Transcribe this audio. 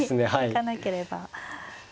行かなければ。